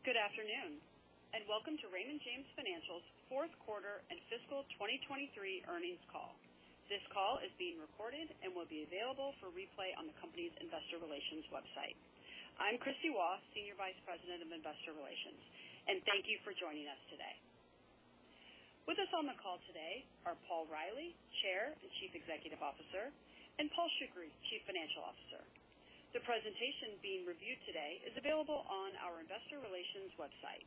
Good afternoon, and welcome to Raymond James Financial's fourth quarter and fiscal 2023 earnings call. This call is being recorded and will be available for replay on the company's investor relations website. I'm Kristie Waugh, Senior Vice President of Investor Relations, and thank you for joining us today. With us on the call today are Paul Reilly, Chair and Chief Executive Officer, and Paul Shoukry, Chief Financial Officer. The presentation being reviewed today is available on our investor relations website.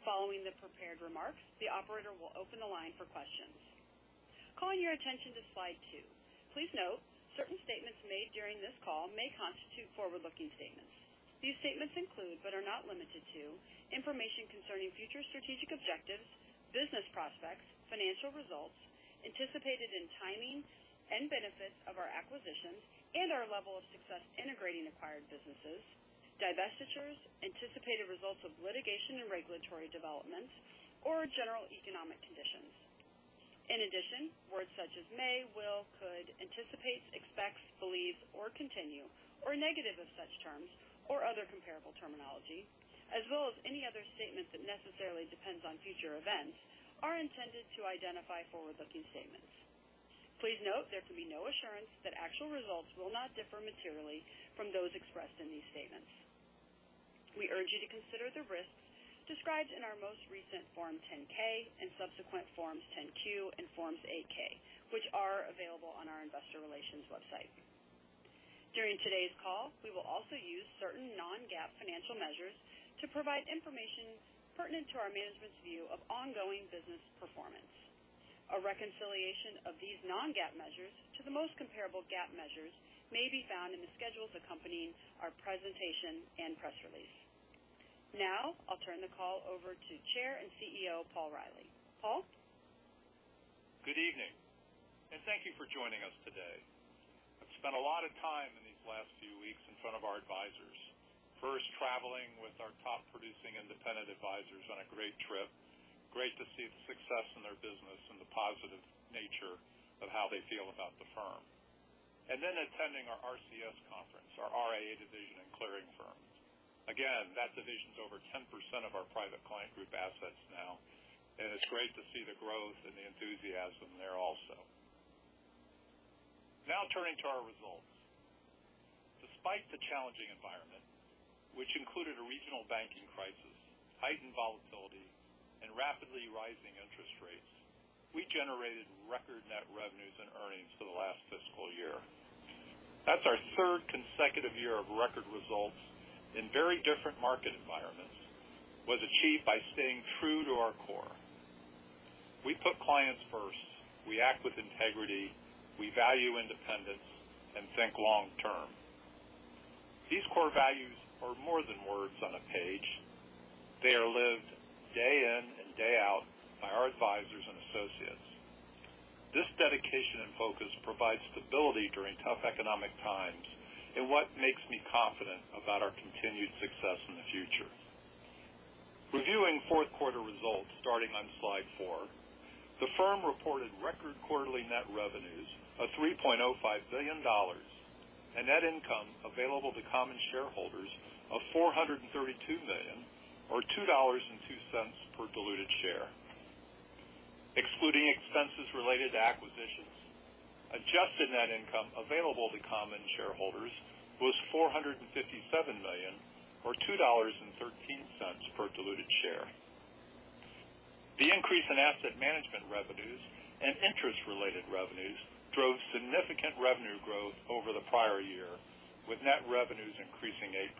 Following the prepared remarks, the operator will open the line for questions. Calling your attention to slide 2. Please note, certain statements made during this call may constitute forward-looking statements. These statements include, but are not limited to information concerning future strategic objectives, business prospects, financial results, anticipated timing and benefits of our acquisitions, and our level of success integrating acquired businesses, divestitures, anticipated results of litigation and regulatory developments, or general economic conditions. In addition, words such as may, will, could, anticipate, expects, believes, or continue, or negative of such terms or other comparable terminology, as well as any other statements that necessarily depends on future events, are intended to identify forward-looking statements. Please note, there can be no assurance that actual results will not differ materially from those expressed in these statements. We urge you to consider the risks described in our most recent Form 10-K and subsequent Forms 10-Q and Forms 8-K, which are available on our investor relations website. During today's call, we will also use certain non-GAAP financial measures to provide information pertinent to our management's view of ongoing business performance. A reconciliation of these non-GAAP measures to the most comparable GAAP measures may be found in the schedules accompanying our presentation and press release. Now, I'll turn the call over to Chair and CEO, Paul Reilly. Paul? Good evening, and thank you for joining us today. I've spent a lot of time in these last few weeks in front of our advisors, first traveling with our top producing independent advisors on a great trip. Great to see the success in their business and the positive nature of how they feel about the firm. And then attending our RCS conference, our RIA division and clearing firm. Again, that division's over 10% of our Private Client Group assets now, and it's great to see the growth and the enthusiasm there also. Now, turning to our results. Despite the challenging environment, which included a regional banking crisis, heightened volatility, and rapidly rising interest rates, we generated record net revenues and earnings for the last fiscal year. That's our third consecutive year of record results in very different market environments, was achieved by staying true to our core. We put clients first. We act with integrity. We value independence and think long term. These core values are more than words on a page. They are lived day in and day out by our advisors and associates. This dedication and focus provides stability during tough economic times and what makes me confident about our continued success in the future. Reviewing fourth quarter results, starting on slide 4, the firm reported record quarterly net revenues of $3.05 billion, and net income available to common shareholders of $432 million, or $2.02 per diluted share. Excluding expenses related to acquisitions, adjusted net income available to common shareholders was $457 million, or $2.13 per diluted share. The increase in asset management revenues and interest-related revenues drove significant revenue growth over the prior year, with net revenues increasing 8%.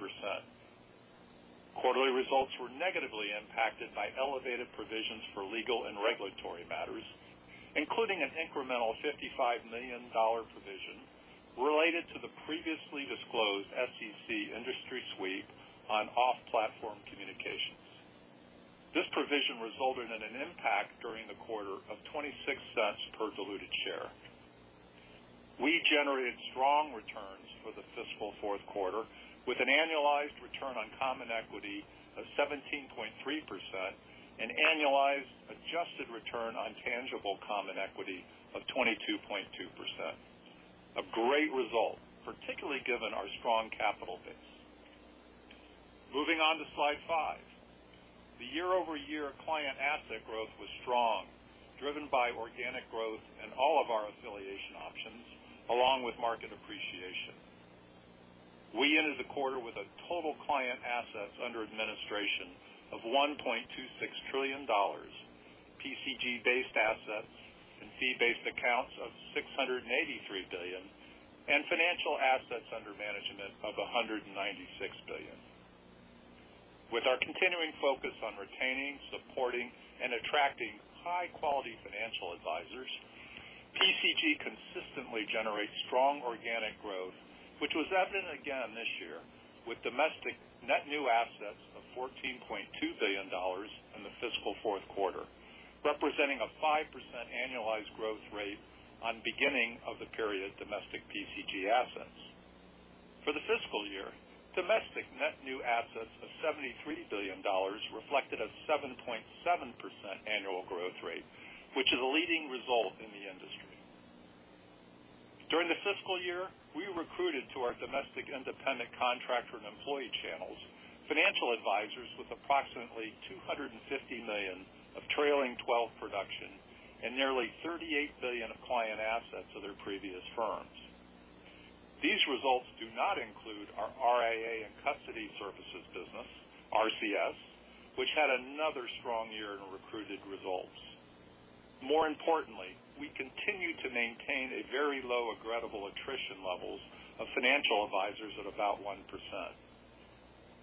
Quarterly results were negatively impacted by elevated provisions for legal and regulatory matters, including an incremental $55 million provision related to the previously disclosed SEC industry sweep on off-platform communications. This provision resulted in an impact during the quarter of $0.26 per diluted share. We generated strong returns for the fiscal fourth quarter with an annualized return on common equity of 17.3% and annualized adjusted return on tangible common equity of 22.2%. A great result, particularly given our strong capital base. Moving on to slide five. The year-over-year client asset growth was strong, driven by organic growth in all of our affiliation options, along with market appreciation. We ended the quarter with a total client assets under administration of $1.26 trillion, PCG-based assets and fee-based accounts of $683 billion, and financial assets under management of $196 billion. With our continuing focus on retaining, supporting, and attracting high-quality financial advisors, PCG consistently generates strong organic growth, which was evident again this year with domestic net new assets of $14.2 billion in the fiscal fourth quarter, representing a 5% annualized growth rate on beginning of the period domestic PCG assets. For the fiscal year, domestic net new assets of $73 billion reflected a 7.7% annual growth rate, which is a leading result in the industry. During the fiscal year, we recruited to our domestic independent contractor and employee channels financial advisors with approximately $250 million of trailing twelve production and nearly $38 billion of client assets of their previous firms. These results do not include our RIA and custody services business, RCS, which had another strong year in recruitment results. More importantly, we continue to maintain a very low regrettable attrition level of financial advisors at about 1%.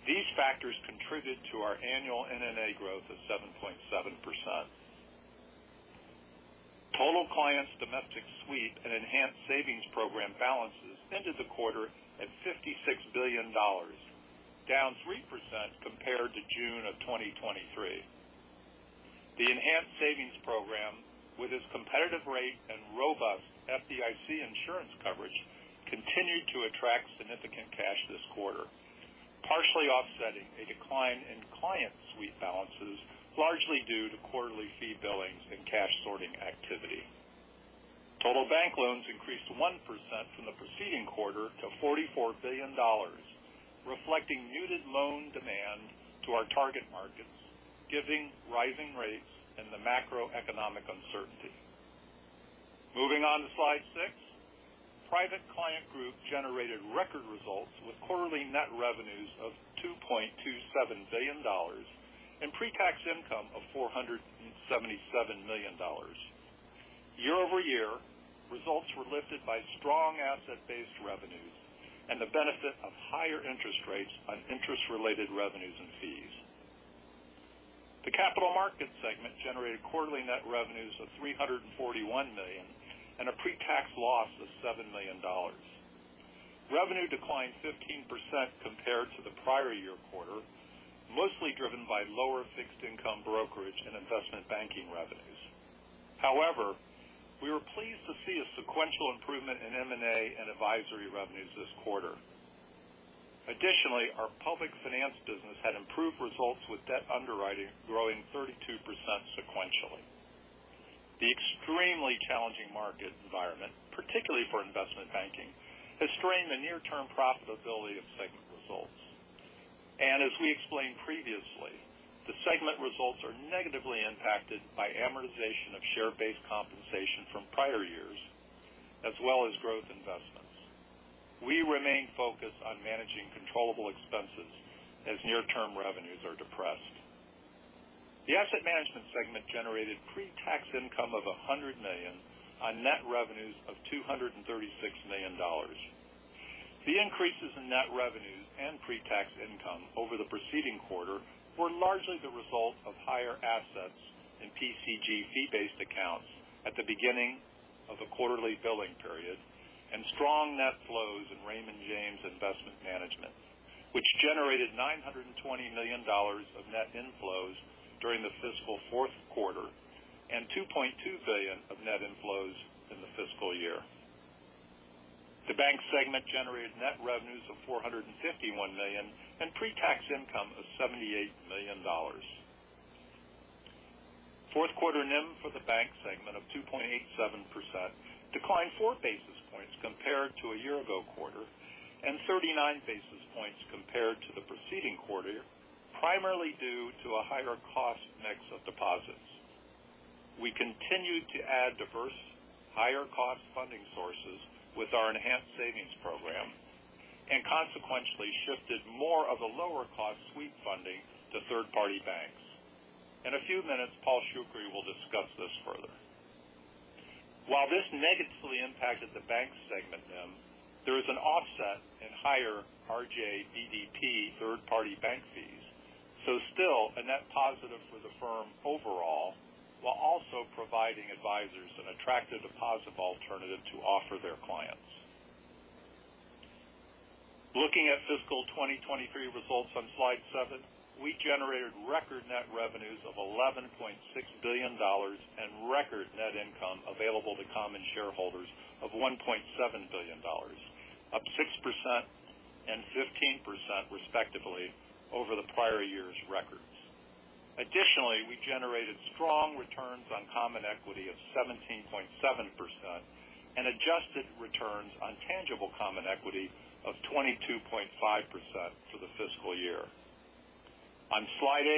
These factors contributed to our annual NNA growth of 7.7%. Total client domestic sweep and enhanced savings program balances ended the quarter at $56 billion, down 3% compared to June 2023. The Enhanced Savings Program, with its competitive rate and robust FDIC insurance coverage, continued to attract significant cash this quarter, partially offsetting a decline in client sweep balances, largely due to quarterly fee billings and cash sorting activity. Total bank loans increased 1% from the preceding quarter to $44 billion, reflecting muted loan demand in our target markets, given rising rates and the macroeconomic uncertainty. Moving on to slide six. Private Client Group generated record results with quarterly net revenues of $2.27 billion and pretax income of $477 million. Year-over-year, results were lifted by strong asset-based revenues and the benefit of higher interest rates on interest-related revenues and fees. The Capital Markets segment generated quarterly net revenues of $341 million, and a pretax loss of $7 million. Revenue declined 15% compared to the prior year quarter, mostly driven by lower fixed income brokerage and investment banking revenues. However, we were pleased to see a sequential improvement in M&A and advisory revenues this quarter. Additionally, our public finance business had improved results, with debt underwriting growing 32% sequentially. The extremely challenging market environment, particularly for investment banking, has strained the near-term profitability of segment results. As we explained previously, the segment results are negatively impacted by amortization of share-based compensation from prior years, as well as growth investments. We remain focused on managing controllable expenses as near-term revenues are depressed. The asset management segment generated pretax income of $100 million on net revenues of $236 million. The increases in net revenues and pretax income over the preceding quarter were largely the result of higher assets in PCG fee-based accounts at the beginning of a quarterly billing period, and strong net flows in Raymond James Investment Management, which generated $920 million of net inflows during the fiscal fourth quarter and $2.2 billion of net inflows in the fiscal year. The bank segment generated net revenues of $451 million and pretax income of $78 million. Fourth quarter NIM for the bank segment of 2.87% declined 4 basis points compared to a year ago quarter, and 39 basis points compared to the preceding quarter, primarily due to a higher cost mix of deposits. We continued to add diverse, higher cost funding sources with our enhanced savings program, and consequentially shifted more of the lower cost sweep funding to third-party banks. In a few minutes, Paul Shoukry will discuss this further. While this negatively impacted the bank segment NIM, there is an offset in higher RJBDP third-party bank fees, so still a net positive for the firm overall, while also providing advisors an attractive deposit alternative to offer their clients. Looking at fiscal 2023 results on slide seven, we generated record net revenues of $11.6 billion and record net income available to common shareholders of $1.7 billion, up 6% and 15% respectively over the prior year's records. Additionally, we generated strong returns on common equity of 17.7% and adjusted returns on tangible common equity of 22.5% for the fiscal year. On slide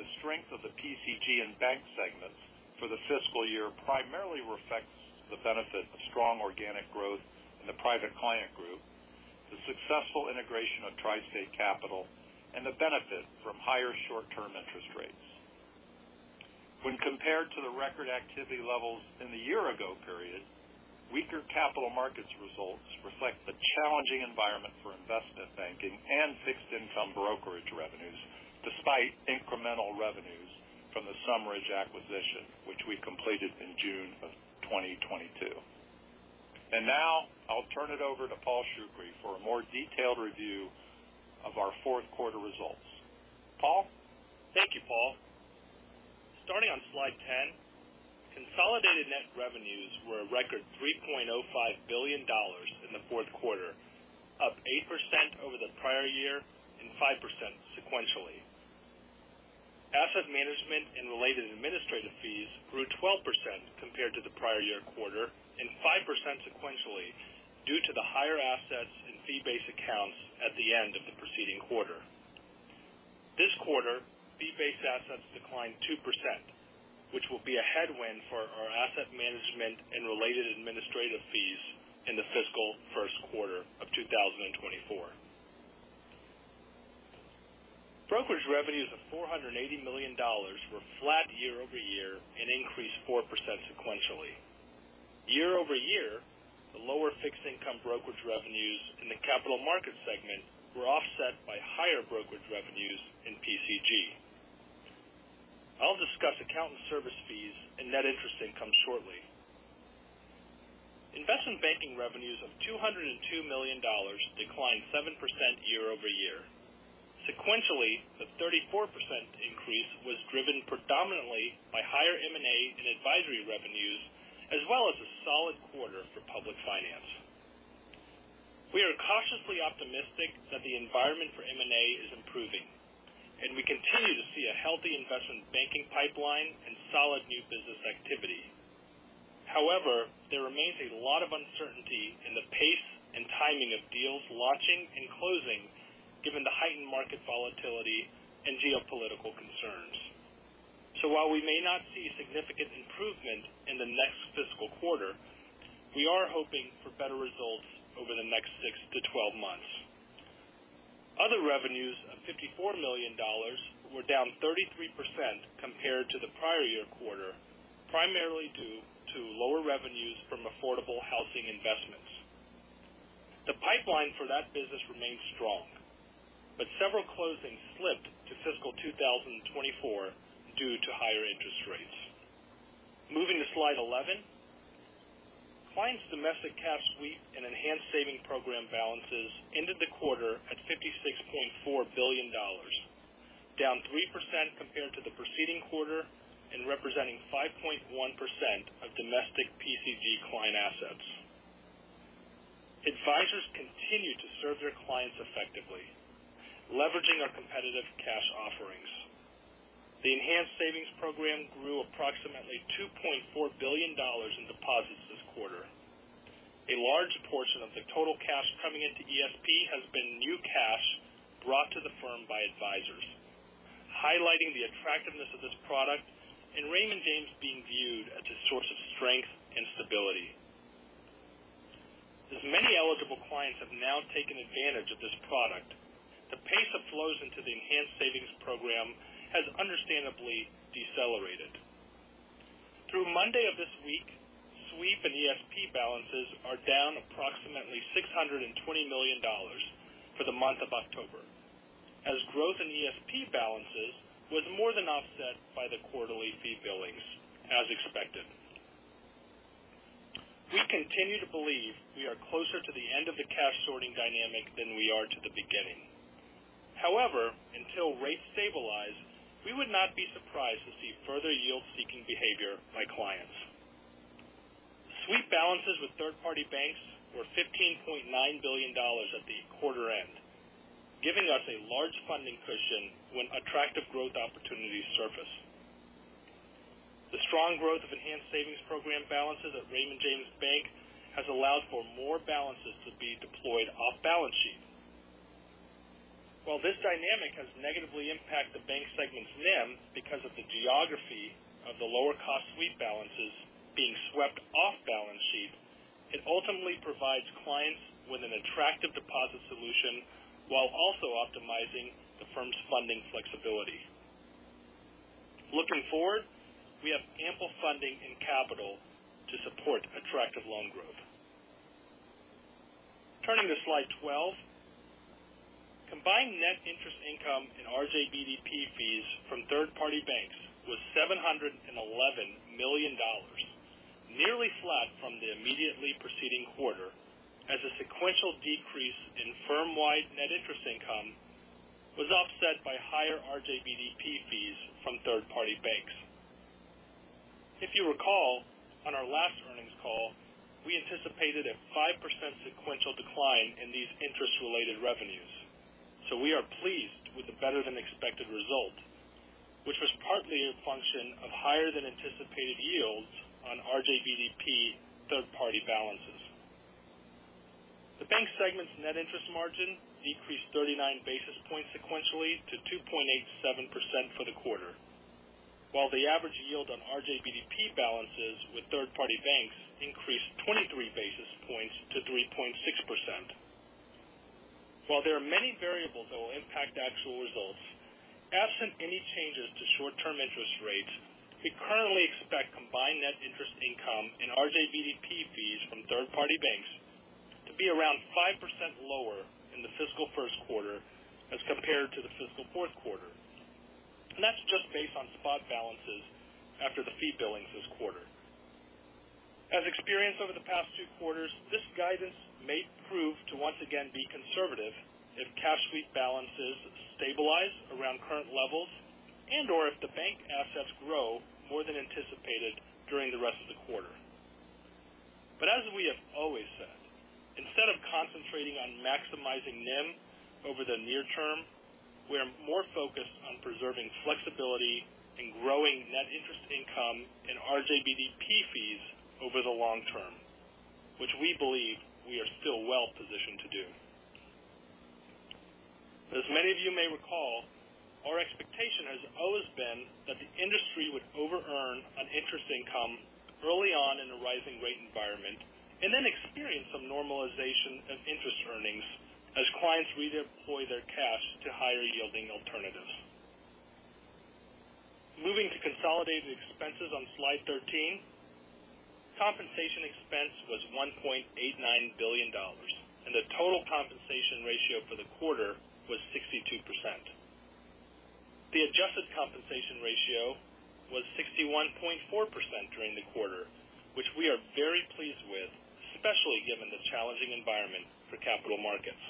8, the strength of the PCG and bank segments for the fiscal year primarily reflects the benefit of strong organic growth in the private client group, the successful integration of TriState Capital, and the benefit from higher short-term interest rates. When compared to the record activity levels in the year ago period, weaker capital markets results reflect the challenging environment for investment banking and fixed income brokerage revenues, despite incremental revenues from the SumRidge acquisition, which we completed in June 2022. And now I'll turn it over to Paul Shoukry for a more detailed review of our fourth quarter results. Paul? Thank you, Paul. Starting on slide 10, consolidated net revenues were a record $3.05 billion in the fourth quarter of 8% over the prior year and 5% sequentially. Asset management and related administrative fees grew 12% compared to the prior year quarter, and 5% sequentially due to the higher assets and fee-based accounts at the end of the preceding quarter. This quarter, fee-based assets declined 2%, which will be a headwind for our asset management and related administrative fees in the fiscal first quarter of 2024. Brokerage revenues of $480 million were flat year-over-year and increased 4% sequentially. Year-over-year, the lower fixed income brokerage revenues in the capital markets segment were offset by higher brokerage revenues in PCG. I'll discuss account and service fees and net interest income shortly. Investment banking revenues of $202 million declined 7% year-over-year. Sequentially, the 34% increase was driven predominantly by higher M&A and advisory revenues, as well as a solid quarter for public finance. We are cautiously optimistic that the environment for M&A is improving, and we continue to see a healthy investment banking pipeline and solid new business activity. However, there remains a lot of uncertainty in the pace and timing of deals launching and closing, given the heightened market volatility and geopolitical concerns. So while we may not see significant improvement in the next fiscal quarter, we are hoping for better results over the next six to 12 months. Other revenues of $54 million were down 33% compared to the prior year quarter, primarily due to lower revenues from affordable housing investments. The pipeline for that business remains strong, but several closings slipped to fiscal 2024 due to higher interest rates. Moving to slide 11. Clients domestic cash sweep and enhanced savings program balances ended the quarter at $56.4 billion, down 3% compared to the preceding quarter and representing 5.1% of domestic PCG client assets. Advisors continue to serve their clients effectively, leveraging our competitive cash offerings. The enhanced savings program grew approximately $2.4 billion in deposits this quarter. A large portion of the total cash coming into ESP has been new cash brought to the firm by advisors, highlighting the attractiveness of this product and Raymond James being viewed as a source of strength and stability. As many eligible clients have now taken advantage of this product, the pace of flows into the enhanced savings program has understandably decelerated. Through Monday of this week, sweep and ESP balances are down approximately $620 million for the month of October, as growth in ESP balances was more than offset by the quarterly fee billings as expected. We continue to believe we are closer to the end of the cash sorting dynamic than we are to the beginning. However, until rates stabilize, we would not be surprised to see further yield-seeking behavior by clients. Sweep balances with third-party banks were $15.9 billion at the quarter end, giving us a large funding cushion when attractive growth opportunities surface. The strong growth of Enhanced Savings Program balances at Raymond James Bank has allowed for more balances to be deployed off balance sheet. While this dynamic has negatively impacted the bank segment's NIM because of the geography of the lower cost sweep balances being swept off balance sheet, it ultimately provides clients with an attractive deposit solution while also optimizing the firm's funding flexibility. Looking forward, we have ample funding and capital to support attractive loan growth. Turning to slide 12. Combined net interest income and RJBDP fees from third-party banks was $711 million, nearly flat from the immediately preceding quarter, as a sequential decrease in firm-wide net interest income was offset by higher RJBDP fees from third-party banks. If you recall, on our last earnings call, we anticipated a 5% sequential decline in these interest-related revenues. So we are pleased with the better than expected result, which was partly a function of higher than anticipated yields on RJBDP third-party balances. The bank segment's net interest margin decreased 39 basis points sequentially to 2.87% for the quarter, while the average yield on RJBDP balances with third-party banks increased 23 basis points to 3.6%. While there are many variables that will impact actual results, absent any changes to short-term interest rates, we currently expect combined net interest income and RJBDP fees from third-party banks to be around 5% lower in the fiscal first quarter as compared to the fiscal fourth quarter. And that's just based on spot balances after the fee billings this quarter. As experienced over the past two quarters, this guidance may prove to once again be conservative if cash sweep balances stabilize around current levels and/or if the bank assets grow more than anticipated during the rest of the quarter.... We've always said, instead of concentrating on maximizing NIM over the near term, we are more focused on preserving flexibility and growing net interest income in RJBDP fees over the long term, which we believe we are still well positioned to do. But as many of you may recall, our expectation has always been that the industry would over earn on interest income early on in a rising rate environment, and then experience some normalization of interest earnings as clients redeploy their cash to higher yielding alternatives. Moving to consolidated expenses on slide 13, compensation expense was $1.89 billion, and the total compensation ratio for the quarter was 62%. The adjusted compensation ratio was 61.4% during the quarter, which we are very pleased with, especially given the challenging environment for capital markets.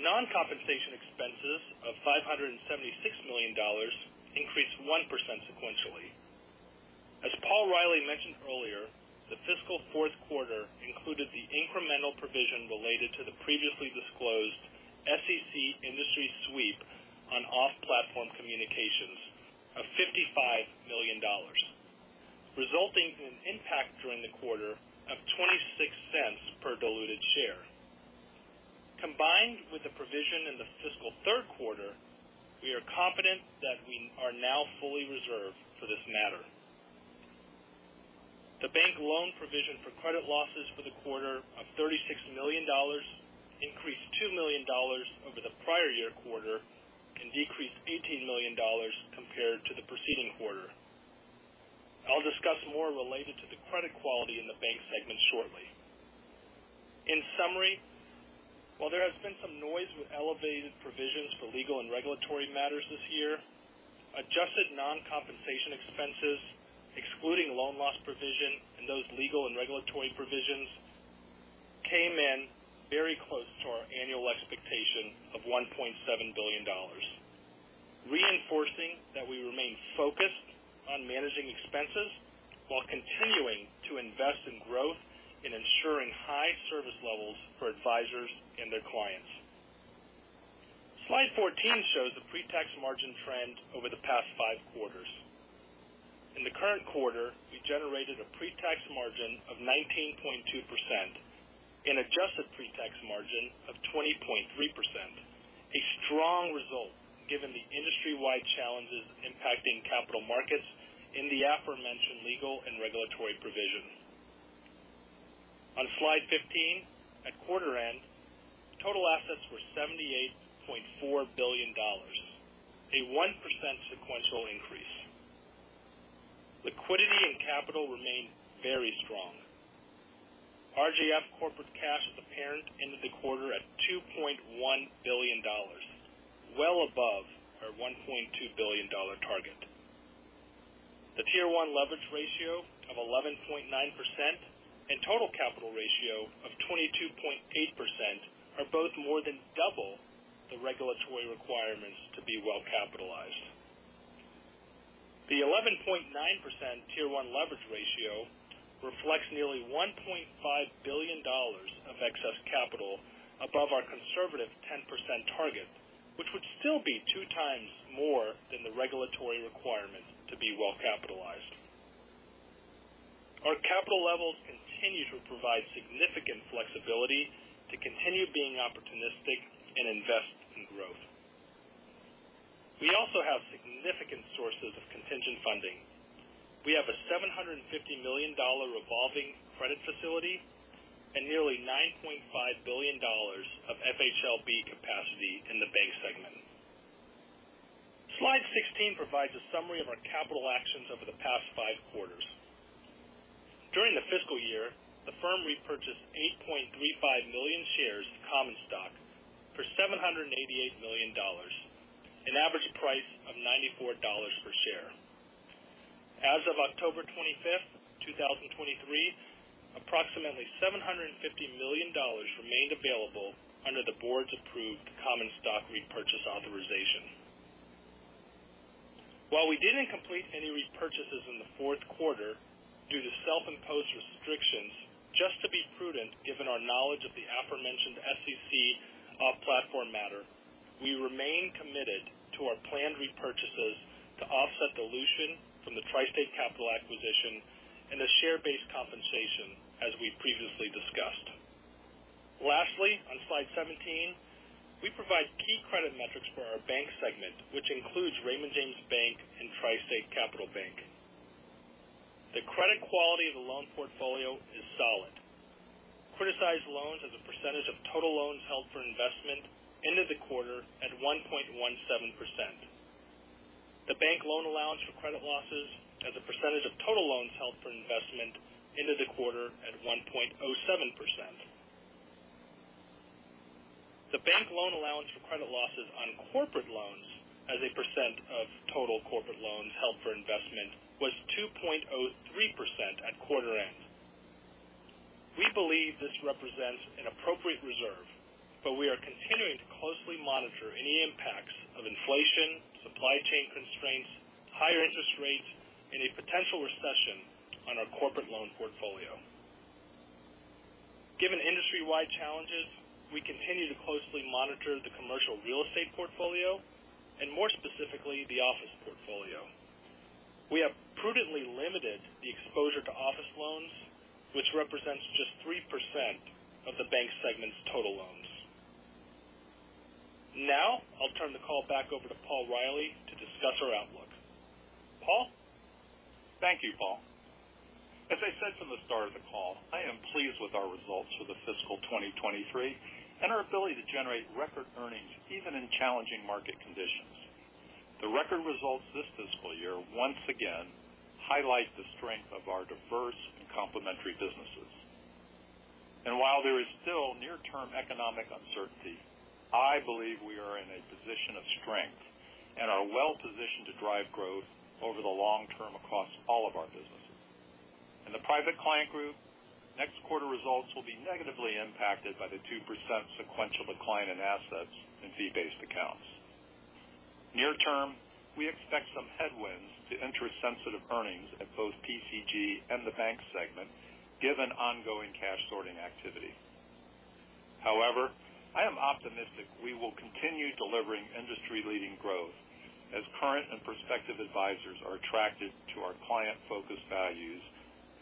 Non-compensation expenses of $576 million increased 1% sequentially. As Paul Reilly mentioned earlier, the fiscal fourth quarter included the incremental provision related to the previously disclosed SEC industry sweep on off-platform communications of $55 million, resulting in impact during the quarter of $0.26 per diluted share. Combined with the provision in the fiscal third quarter, we are confident that we are now fully reserved for this matter. The bank loan provision for credit losses for the quarter of $36 million increased $2 million over the prior year quarter and decreased $18 million compared to the preceding quarter. I'll discuss more related to the credit quality in the bank segment shortly. In summary, while there has been some noise with elevated provisions for legal and regulatory matters this year, adjusted non-compensation expenses, excluding loan loss provision and those legal and regulatory provisions, came in very close to our annual expectation of $1.7 billion, reinforcing that we remain focused on managing expenses while continuing to invest in growth and ensuring high service levels for advisors and their clients. Slide 14 shows the Pre-Tax Margin trend over the past five quarters. In the current quarter, we generated a Pre-Tax Margin of 19.2%, an adjusted Pre-Tax Margin of 20.3%. A strong result given the industry-wide challenges impacting capital markets in the aforementioned legal and regulatory provisions. On Slide 15, at quarter end, total assets were $78.4 billion, a 1% sequential increase. Liquidity and capital remain very strong. RJF corporate cash as a parent ended the quarter at $2.1 billion, well above our $1.2 billion target. The Tier 1 leverage ratio of 11.9% and total capital ratio of 22.8% are both more than double the regulatory requirements to be well capitalized. The 11.9% Tier 1 leverage ratio reflects nearly $1.5 billion of excess capital above our conservative 10% target, which would still be two times more than the regulatory requirement to be well capitalized. Our capital levels continue to provide significant flexibility to continue being opportunistic and invest in growth. We also have significant sources of contingent funding. We have a $750 million revolving credit facility and nearly $9.5 billion of FHLB capacity in the bank segment. Slide 16 provides a summary of our capital actions over the past five quarters. During the fiscal year, the firm repurchased 8.35 million shares of common stock for $788 million, an average price of $94 per share. As of October 25, 2023, approximately $750 million remained available under the board's approved common stock repurchase authorization. While we didn't complete any repurchases in the fourth quarter due to self-imposed restrictions, just to be prudent, given our knowledge of the aforementioned SEC off-platform matter, we remain committed to our planned repurchases to offset dilution from the TriState Capital acquisition and the share-based compensation, as we've previously discussed. Lastly, on Slide 17, we provide key credit metrics for our bank segment, which includes Raymond James Bank and TriState Capital Bank. The credit quality of the loan portfolio is solid. Criticized Loans as a percentage of total loans held for investment ended the quarter at 1.17%. The bank loan allowance for credit losses as a percentage of total loans held for investment ended the quarter at 1.07%. The bank loan allowance for credit losses on corporate loans as a percent of total corporate loans held for investment was 2.03% at quarter end. We believe this represents an appropriate reserve, but we are continuing to closely monitor any impacts of inflation, supply chain constraints, higher interest rates, and a potential recession on our corporate loan portfolio. Given industry-wide challenges, we continue to closely monitor the commercial real estate portfolio and more specifically, the office portfolio. We have prudently limited the exposure to office loans, which represents just 3% of the bank segment's total loans. Now I'll turn the call back over to Paul Reilly to discuss our outlook. Paul? Thank you, Paul. As I said from the start of the call, I am pleased with our results for the fiscal 2023 and our ability to generate record earnings even in challenging market conditions. The record results this fiscal year once again highlight the strength of our diverse and complementary businesses. While there is still near-term economic uncertainty, I believe we are in a position of strength and are well positioned to drive growth over the long term across all of our businesses. In the Private Client Group, next quarter results will be negatively impacted by the 2% sequential decline in assets and fee-based accounts. Near term, we expect some headwinds to interest-sensitive earnings at both PCG and the bank segment, given ongoing cash sorting activity. However, I am optimistic we will continue delivering industry-leading growth as current and prospective advisors are attracted to our client-focused values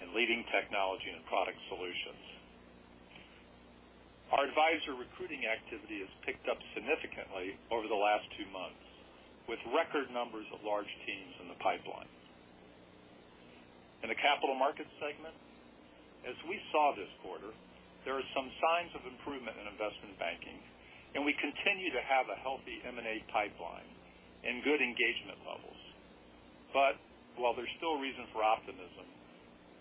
and leading technology and product solutions. Our advisor recruiting activity has picked up significantly over the last two months, with record numbers of large teams in the pipeline. In the Capital Markets segment, as we saw this quarter, there are some signs of improvement in investment banking, and we continue to have a healthy M&A pipeline and good engagement levels. But while there's still reason for optimism,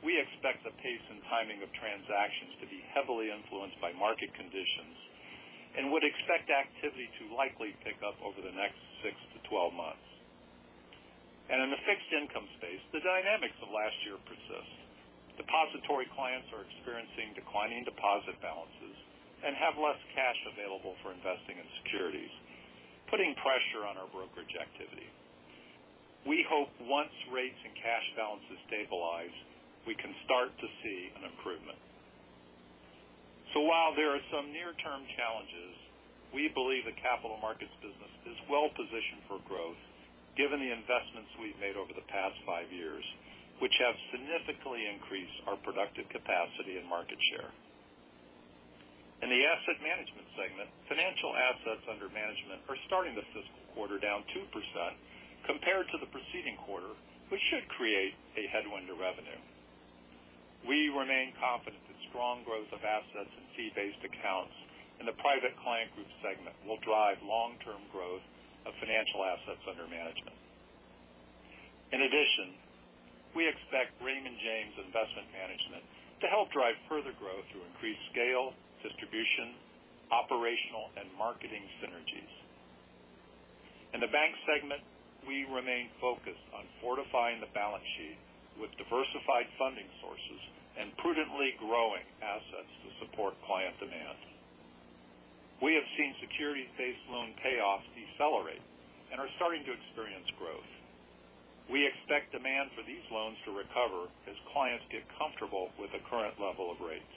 we expect the pace and timing of transactions to be heavily influenced by market conditions and would expect activity to likely pick up over the next six to 12 months. In the fixed income space, the dynamics of last year persist. Depository clients are experiencing declining deposit balances and have less cash available for investing in securities, putting pressure on our brokerage activity. We hope once rates and cash balances stabilize, we can start to see an improvement. So while there are some near-term challenges, we believe the Capital Markets business is well positioned for growth given the investments we've made over the past five years, which have significantly increased our productive capacity and market share. In the Asset Management segment, financial assets under management are starting the fiscal quarter down 2% compared to the preceding quarter, which should create a headwind to revenue. We remain confident that strong growth of assets and fee-based accounts in the Private Client Group segment will drive long-term growth of financial assets under management. In addition, we expect Raymond James Investment Management to help drive further growth through increased scale, distribution, operational, and marketing synergies. In the bank segment, we remain focused on fortifying the balance sheet with diversified funding sources and prudently growing assets to support client demands. We have seen securities-based loan payoffs decelerate and are starting to experience growth. We expect demand for these loans to recover as clients get comfortable with the current level of rates.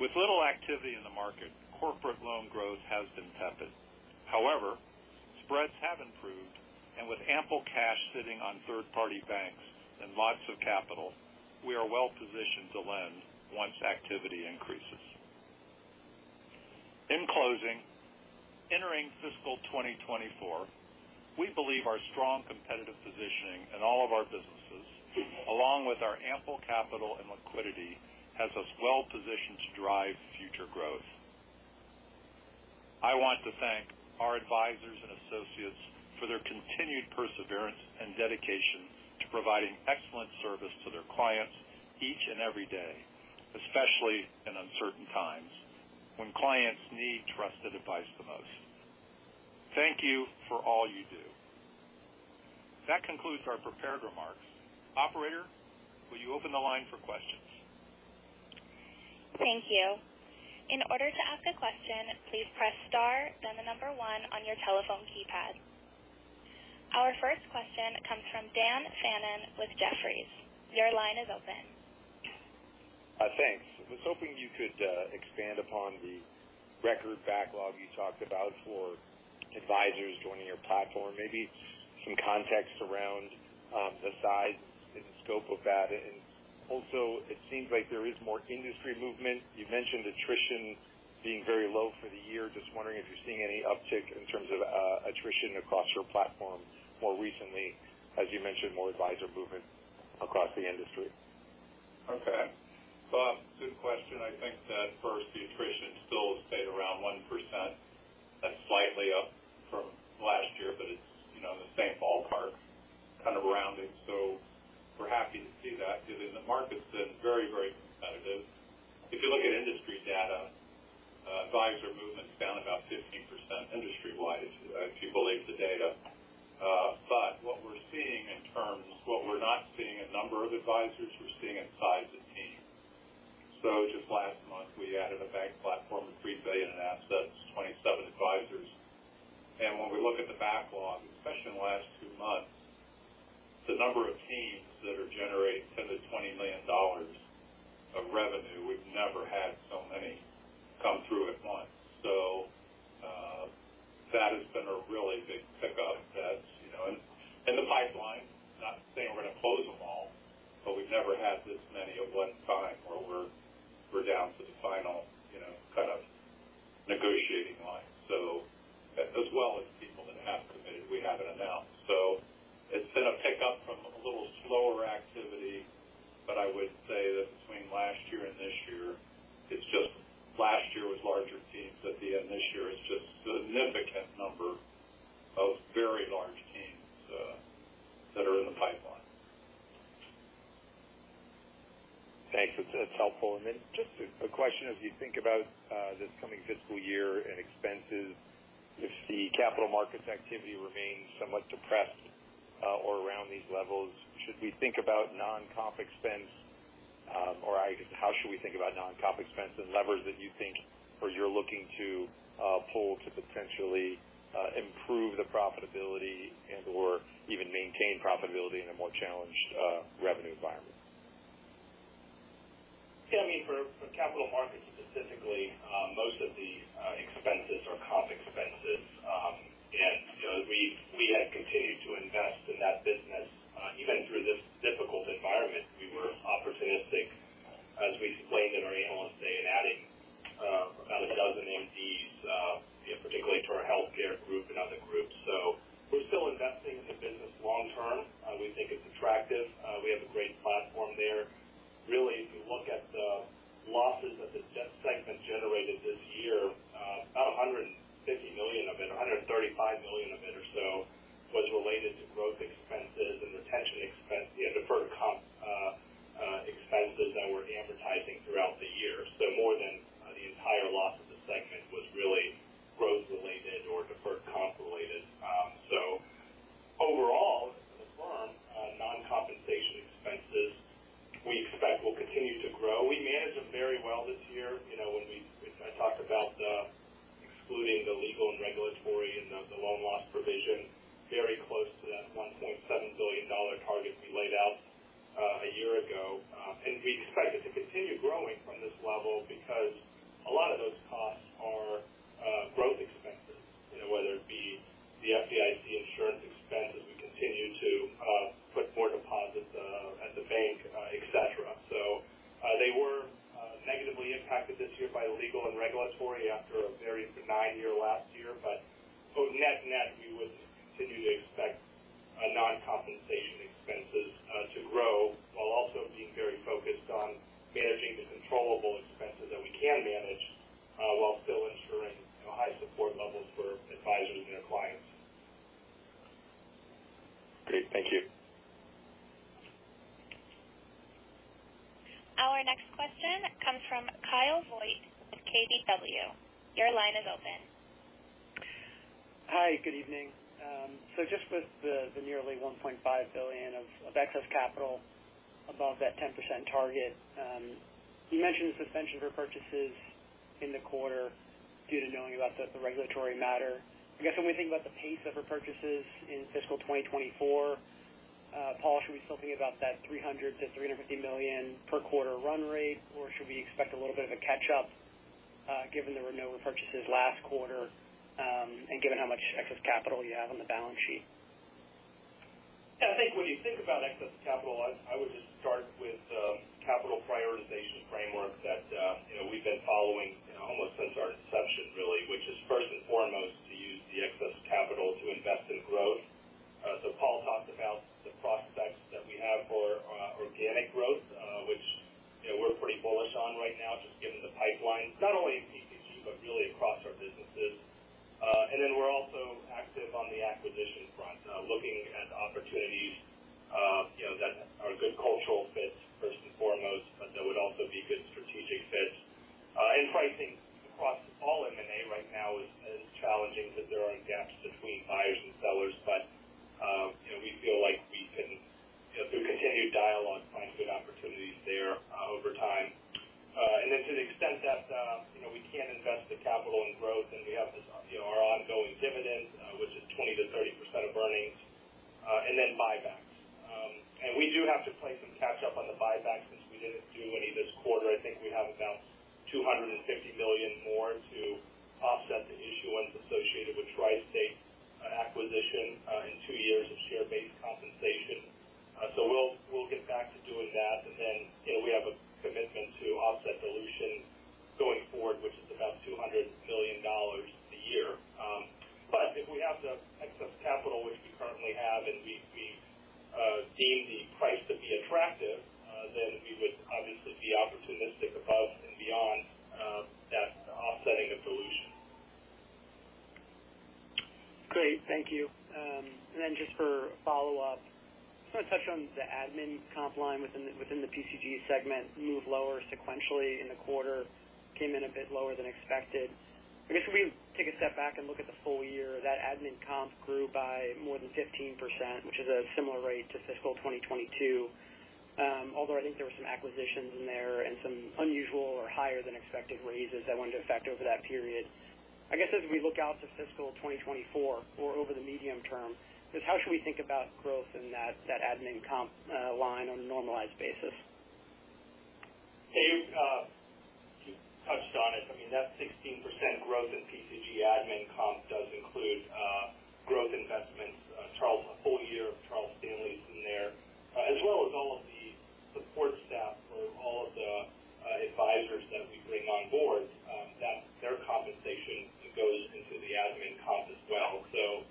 With little activity in the market, corporate loan growth has been tepid. However, spreads have improved, and with ample cash sitting on third-party banks and lots of capital, we are well positioned to lend once activity increases. In closing, entering fiscal 2024, we believe our strong competitive positioning in all of our businesses, along with our ample capital and liquidity, has us well positioned to drive future growth. I want to thank our advisors and associates for their continued perseverance and dedication to providing excellent service to their clients each and every day, especially in uncertain times when clients need trusted advice the most. Thank you for all you do. That concludes our prepared remarks. Operator, will you open the line for questions? Thank you. In order to ask a question, please press star, then the number one on your telephone keypad. Our first question comes from Dan Fannon with Jefferies. Your line is open. Thanks. I was hoping you could expand upon the record backlog you talked about for advisors joining your platform. Maybe some context around the size and scope of that. And also, it seems like there is more industry movement. You mentioned attrition being very low for the year. Just wondering if you're seeing any uptick in terms of attrition across your platform more recently, as you mentioned, more advisor movement across the industry. Okay. So good question. I think that first, the attrition still has stayed around 1%. That's slightly up from last year, but it's, you know, in the same ballpark, kind of around it. So we're happy to see that, because the market's been very, very competitive. If you look at industry data, advisor movement is down about 15% industry-wide, if you believe the data. What we're seeing in terms, what we're not seeing in number of advisors, we're seeing in size of team. So just last month, we added a bank platform with $3 billion in assets, 27 advisors. And when we look at the backlog, especially in the last two months, the number of teams that are generating $10 million-$20 million of revenue, we've never had so many come through at once. So that has been a really big pick up that's, you know, in the pipeline. Not saying we're going to close them all, but we've never had this many at one time where we're down to the final, you know, kind of negotiating line. So as well as people that have committed, we haven't announced. So it's been a pickup from a little slower activity, but I would say that between last year and this year, it's just last year was larger teams at the end. This year, it's just significant number of very large teams that are in the pipeline. Thanks. That's helpful. And then just a question, as you think about this coming fiscal year and expenses, if the capital markets activity remains somewhat depressed or around these levels, should we think about non-comp expense? Or how should we think about non-comp expense and levers that you think or you're looking to pull to potentially improve the profitability and/or even maintain profitability in a more challenged revenue environment? Yeah, I mean, for capital markets specifically, most of the expenses are comp expenses. And, you know, we've -- we have continued to invest in that business, even through this difficult environment. We were opportunistic, as we explained in our Analyst Day, in adding about a dozen MDs, you know, particularly to our healthcare group and other groups. So we're still investing in the business long term. We think it's attractive. We have a great platform there. Really, if you look at the losses that the debt segment generated this year, about $150 million of it, $135 million of it or so was related to growth expenses and retention expense, you know, deferred comp expenses that we're amortizing throughout the year. So more than, the entire loss of the segment was really growth related or deferred comp related. So overall, for the firm, non-compensation expenses we expect will continue to grow. We managed them very well this year. You know, when we, I talked about excluding the legal and regulatory and the loan loss provision, very close to that $1.7 billion target we laid out, a year ago. And we expect it to continue growing from this level because a lot of those Paul, should we still think about that $300 million-$350 million per quarter run rate? Or should we expect a little bit of a catch up, given there were no repurchases last quarter, and given how much excess capital you have on the balance sheet? Yeah, I think when you think about excess capital, I would just start with capital prioritization framework that you know we've been following, you know, almost since our inception, really. Which is first and foremost, to use the excess capital to invest in growth. So Paul talked about the prospects that we have for organic growth, which, you know, we're pretty bullish on right now just given the pipeline, not only in PCG, but really across our businesses. And then we're also active on the acquisition front, looking at opportunities, you know, that are a good cultural fit first and foremost, but that would also be good strategic fits. And pricing across all M&A right now is challenging because there are gaps between buyers and sellers. But, you know, we feel like we can, through continued dialogue, find good opportunities there, over time. And then to the extent that, you know, we can invest the capital in growth and we have this, you know, our ongoing dividend, which is 20%-30% of earnings, and then buybacks. And we do have to play some catch up on the buybacks since we didn't do any this quarter. I think we have about $250 million more to offset the issuance associated with TriState, acquisition, in two years of share-based compensation. So we'll, we'll get back to doing that. And then, you know, we have a commitment to offset dilution going forward, which is about $200 million a year. But if we have the excess capital, which we currently have, and we deem the price to be attractive, then we would obviously be opportunistic above and beyond that offsetting of dilution. Great. Thank you. And then just for follow up, just want to touch on the admin comp line within the PCG segment, moved lower sequentially in the quarter, came in a bit lower than expected. I guess if we take a step back and look at the full year, that admin comp grew by more than 15%, which is a similar rate to fiscal 2022. Although I think there were some acquisitions in there and some unusual or higher than expected raises that went into effect over that period. I guess, as we look out to fiscal 2024 or over the medium term, just how should we think about growth in that admin comp line on a normalized basis? Dave, you touched on it. I mean, that 16% growth in PCG admin comp does include, growth investments. Charles, a full year of Charles Stanley's in there, as well as all of the support staff for all of the, advisors that we bring on board, that their compensation goes into the admin comp as well. So,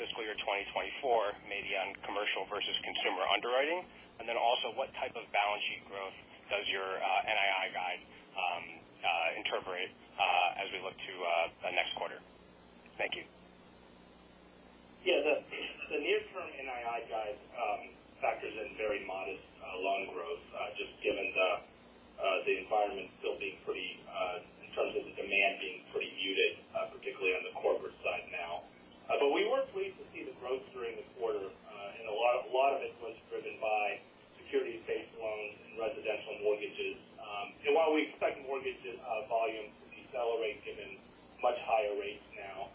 in fiscal year 2024, maybe on commercial versus consumer underwriting? And then also, what type of balance sheet growth does your NII guide interpret as we look to the next quarter? Thank you. Yeah. The near term NII guide factors in very modest loan growth, just given the environment still being pretty in terms of the demand being pretty muted, particularly on the corporate side now. But we were pleased to see the growth during the quarter, and a lot, a lot of it was driven by securities-based loans and residential mortgages. And while we expect mortgages volume to decelerate given much higher rates now,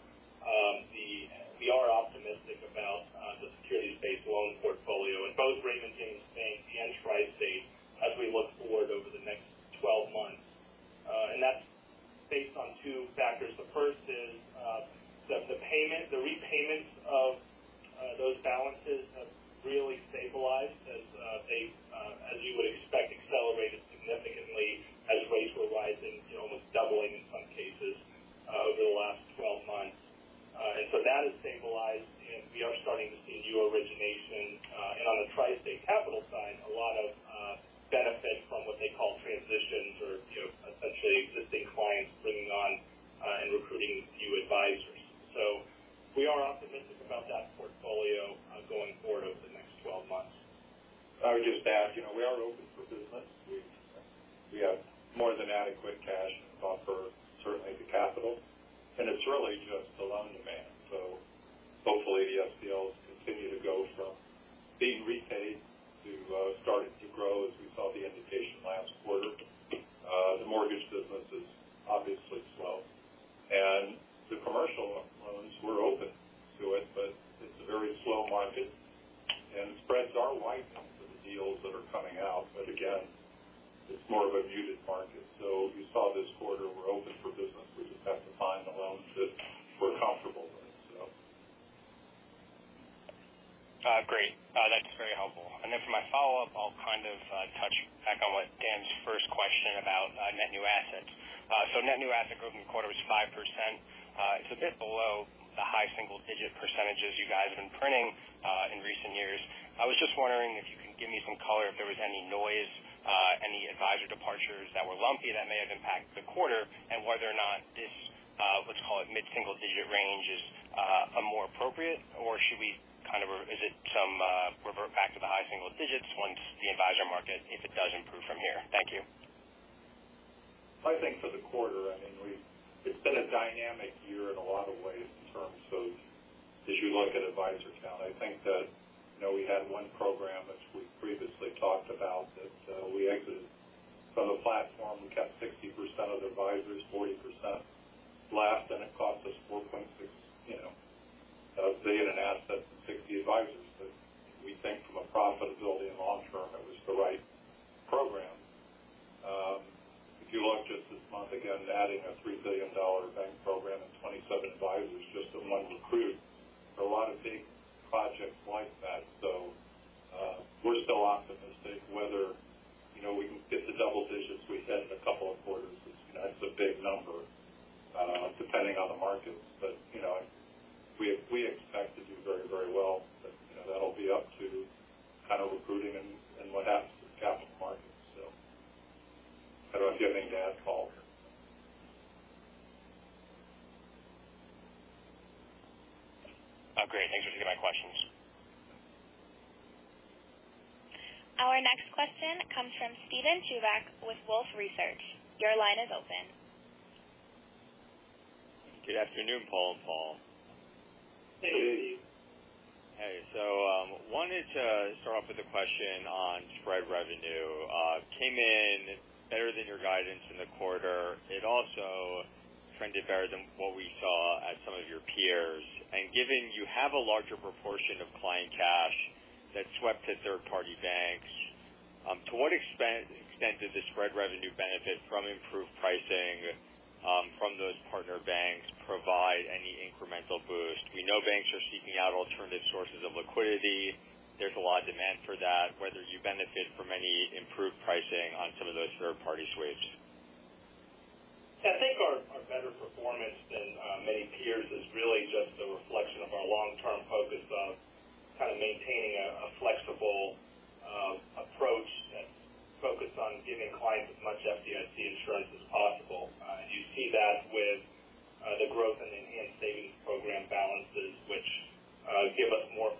we are optimistic about the securities-based loan portfolio in both Raymond James Bank and TriState as we look forward over the next 12 months. And that's based on two factors. The first is that the payment, the repayments of those balances have really stabilized as they, as you would expect, accelerated significantly as rates were rising, you know, almost doubling in some cases over the last 12 months. And so that has stabilized, and we are starting to see new origination. And on the TriState Capital side, a lot of benefit from what they call transitions or, you know, essentially existing clients bringing on and recruiting new advisors. So we are optimistic about that portfolio going forward over the next 12 months. I would just add, you know, we are open for business. We have more than adequate cash buffer, certainly the capital, and it's really just the loan demand. So hopefully, the FHLBs continue to go from being repaid to starting to grow, as we saw the indication last quarter. The mortgage business is obviously slow, and the commercial loans, we're open to it, but it's a very slow market, and spreads are wide for the deals that are coming out. But again, it's more of a muted market. So you saw this quarter, we're open for business. We just have to find the loans that we're comfortable with, so. Great. That's very helpful. And then for my follow-up, I'll kind of touch back on what Dan's first question about net new assets. So net new asset growth in the quarter was 5%. It's a bit below the high single digit percentages you guys have been printing in recent years. I was just wondering if you can give me some color, if there was any noise, any advisor departures that were lumpy that may have impacted the quarter, and whether or not this, let's call it mid-single digit range, is a more appropriate? Or should we kind of, or is it some revert back to the high single digits once the advisor market, if it does improve from here? Thank you. I think for the quarter, I mean, we've, it's been a dynamic year in a lot of ways in terms of as you look at advisor count. I think that, you know, we had one program which we previously talked about, that we exited from the platform. We kept 60% of the advisors, 40% left, and it cost us $4.6 billion in assets and 60 advisors. But we think from a profitability and long-term, it was the right program. If you look just this month, again, adding a $3 billion bank program and 27 advisors just among recruit, a lot of big projects like that. So, we're still optimistic whether, you know, we can get to double digits. We had a couple of quarters. It's, you know, it's a big number, depending on the markets. But, you know, we expect to do very, very well. But, you know, that'll be up to kind of recruiting and what happens to the capital markets. So I don't know if you have anything to add, Paul? Oh, great. Thanks for taking my questions. Our next question comes from Steven Chuback with Wolfe Research. Your line is open. Good afternoon, Paul and Paul. Hey. Hey, wanted to start off with a question on spread revenue. It came in better than your guidance in the quarter. It also trended better than what we saw at some of your peers. Given you have a larger proportion of client cash that swept to third-party banks, to what extent did the spread revenue benefit from improved pricing from those partner banks provide any incremental boost? We know banks are seeking out alternative sources of liquidity. There's a lot of demand for that, whether you benefit from any improved pricing on some of those third-party sweeps. I think our better performance than many peers is really just a reflection of our long-term focus of kind of maintaining a flexible approach that's focused on giving clients as much FDIC insurance as possible. You see that with the growth in the enhanced savings program balances, which give us more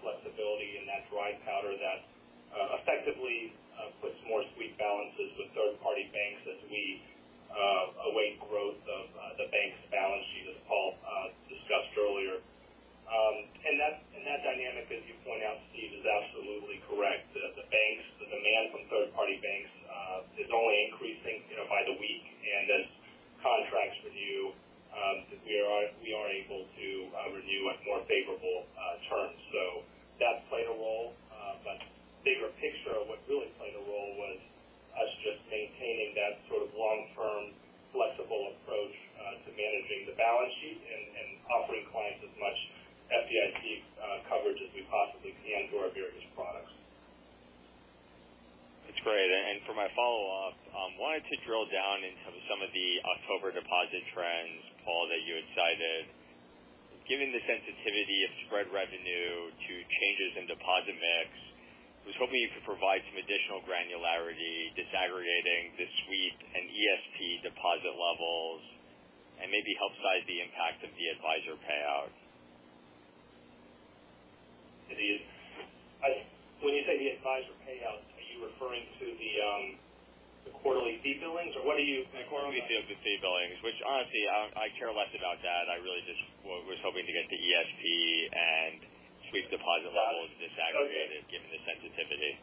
sweep deposit levels disaggregated, given the sensitivity.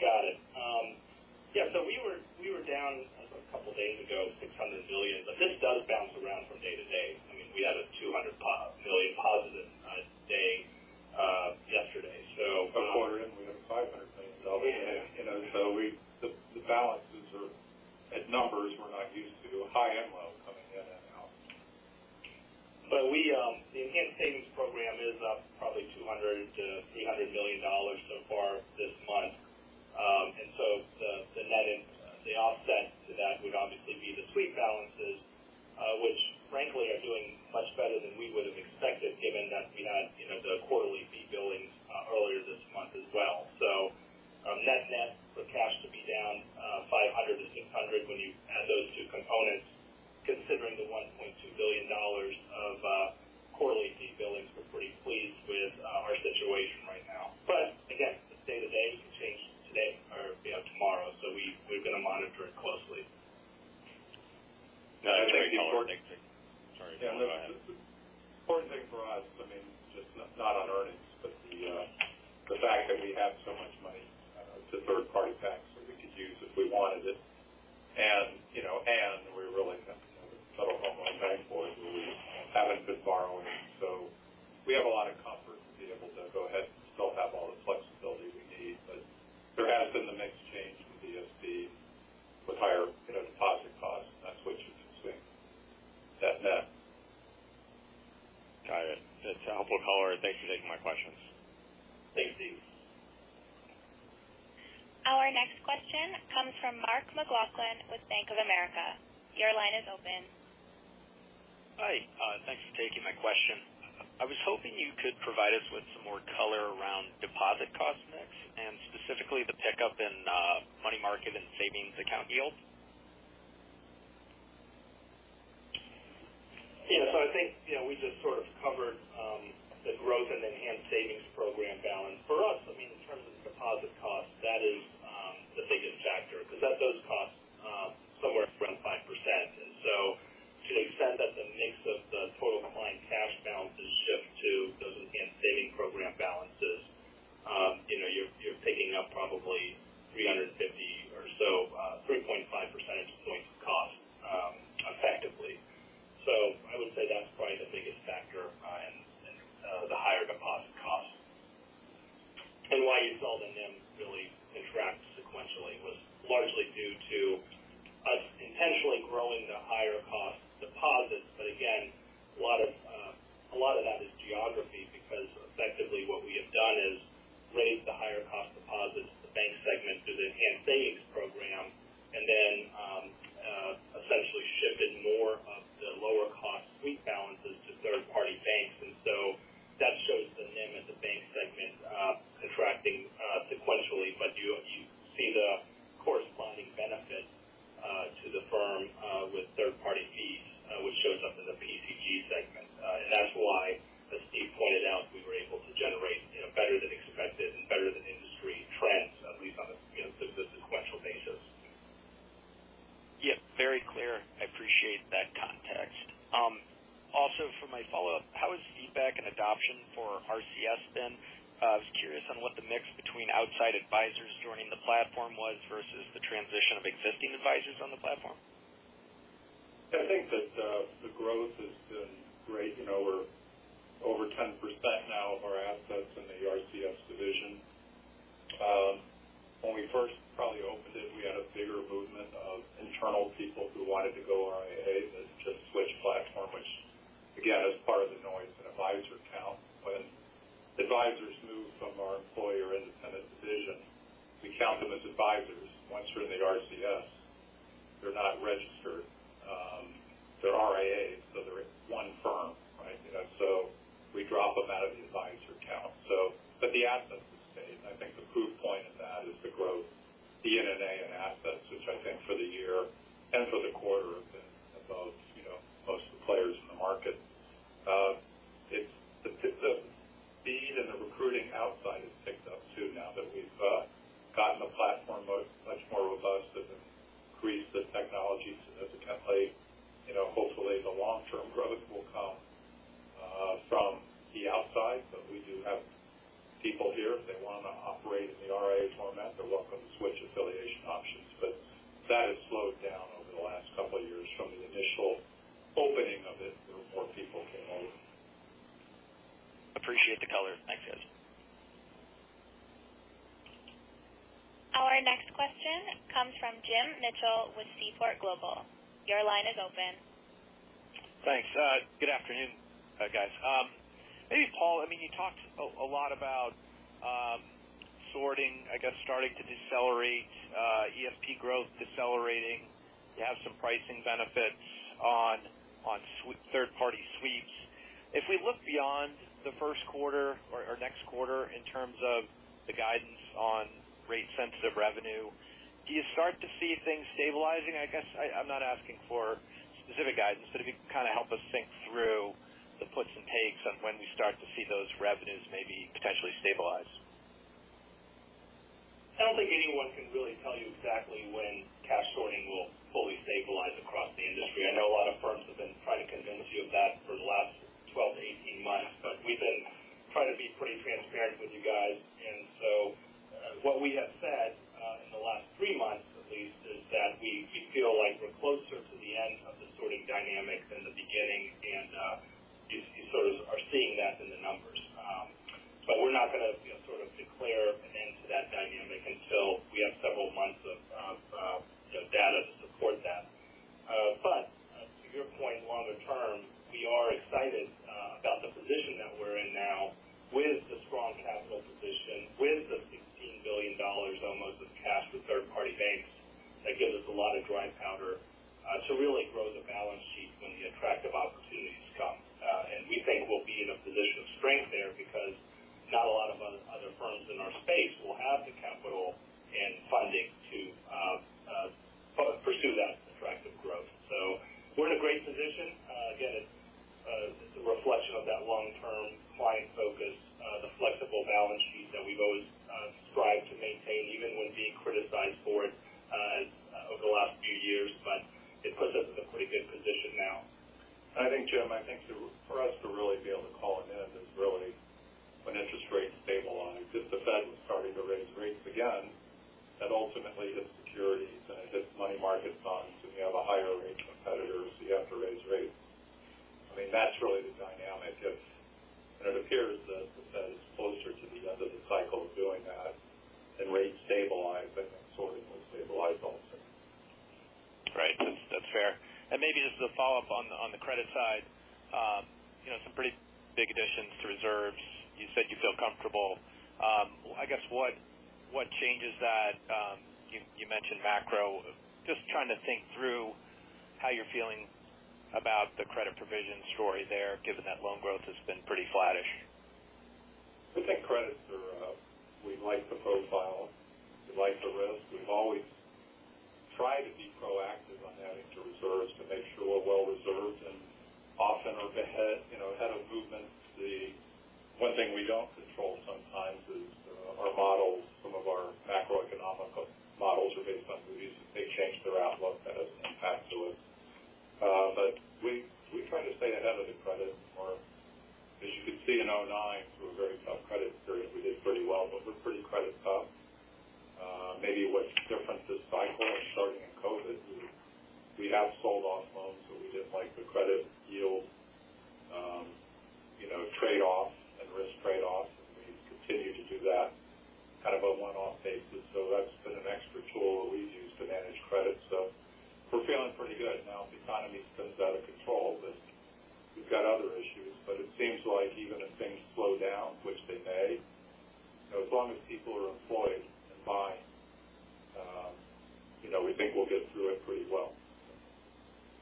Got it. Yeah, so we were down a couple of days ago, $600 billion, but this does bounce around from day to day. I mean, we had a $200 million positive day yesterday, so- A quarter in, we have $500 million. Yeah. You know, so we've the balances are at numbers we're not used to, high-end levels coming in and out. But we, the Enhanced Savings Program is up probably $200 million-$800 million so far this month. And so the, the net and the offset to that would obviously be the sweep balances, which frankly are simply doing much better than we would have expected, given that we had, you know, the quarterly fee billings, earlier this month as well. So, net-net for cash to be down, 500-600 when you add those two components, considering the $1.2 billion of, quarterly fee billings, we're pretty pleased with, our situation right now. But again, it's day-to-day. It can change today or, you know, tomorrow. So we're going to monitor it closely. Thank you, Paul. Sorry. Yeah, go ahead. The important thing for us, I mean, just not, not on earnings, but the fact that we have so much money to third-party banks that we could use if we wanted it. And, you know, and we really sort of bank boys, we haven't been borrowing, so we have a lot of comfort to be able to go ahead and still have all the flexibility we need. But there has been a mixed change from ESP with higher, you know, deposit costs. That's which is interesting. Net-net. Got it. That's a helpful color. Thanks for taking my questions. Thank you. Our next question comes from Mark McLaughlin with Bank of America. Your line is open. Hi, thanks for taking my question. I was hoping you could provide us with some more color around deposit cost mix and specifically the pickup in, money market and savings account yields. Yeah. So I think, you know, we just sort of covered the growth in Enhanced Savings Program balance. For us, I mean, in terms of deposit cost, that is the biggest factor because that does cost somewhere around 5%. RCS been? I was curious on what the mix between outside advisors joining the platform was versus the transition of existing advisors on the platform. people here, if they want to operate in the RIA format, they're welcome to switch affiliation options, but that has slowed down over the last couple of years from the initial opening of it, where more people came over. Appreciate the color. Thanks, guys. Our next question comes from Jim Mitchell with Seaport Global. Your line is open. Thanks. Good afternoon, guys. Maybe, Paul, I mean, you talked a lot about sorting, I guess, starting to decelerate, ESP growth decelerating. You have some pricing benefits on third-party sweeps. If we look beyond the first quarter or next quarter in terms of the guidance on rate-sensitive revenue, do you start to see things stabilizing? I guess I'm not asking for specific guidance, but if you can kind of help us think through the puts and takes on when we start to see those revenues maybe potentially stabilize. I don't think anyone can really tell you exactly when cash sorting will fully stabilize across the industry. I know a lot of firms have been trying to convince you of that for the last 12-18 months, but we've been trying to be pretty transparent with you guys. And so, what we have said in the last three months at least, is that we feel like we're closer to the end of the sorting dynamic than the beginning, and you sort of are seeing that in the numbers. But we're not going to, you know, sort of declare an end to that dynamic until we have several months of you know, data to support that. But tried to be proactive on adding to reserves to make sure we're well reserved and often are ahead, you know, ahead of movements. The one thing we don't control sometimes is, our models. Some of our macroeconomic models are based on these. They change their outlook and have an impact to us. But we, we try to stay ahead of the credit or as you can see, in 2009, through a very tough credit period, we did pretty well, but we're pretty credit tough. Maybe what's different this cycle starting in COVID is we have sold off loans where we didn't like the credit yield, you know, trade-offs and risk trade-offs, and we continue to do that kind of a one-off basis. That's been an extra tool that we've used to manage credit. We're feeling pretty good now. If the economy spins out of control, then we've got other issues. But it seems like even if things slow down, which they may, you know, as long as people are employed and buying, you know, we think we'll get through it pretty well.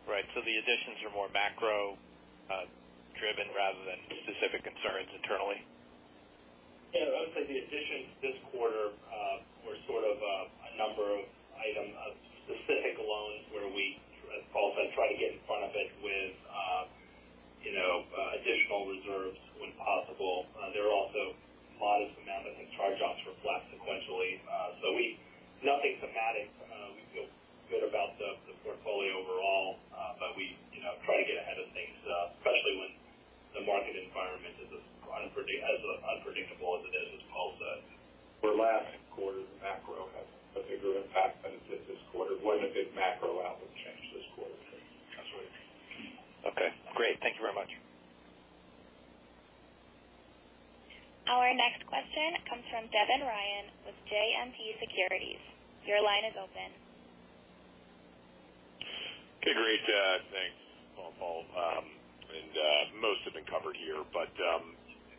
Right. So the additions are more macro driven rather than specific internally? Our provision this quarter, were sort of a number of item of specific loans where we, as Paul said, try to get in front of it with, you know, additional reserves when possible. There are also modest amount that the charge-offs reflect sequentially. So we, nothing thematic. We feel good about the portfolio overall. But we, you know, try to get ahead of things, especially when the market environment is as unpredictable as it is, as Paul said. For last quarter, the macro had a bigger impact than it did this quarter. Wouldn't have been macro out change this quarter. That's what I mean. Okay, great. Thank you very much. Our next question comes from Devin Ryan with JMP Securities. Your line is open. Okay, great. Thanks, Paul and Paul. Most have been covered here, but I